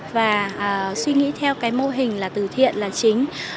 và suy nghĩ theo cái mô hình là từ thiện là chính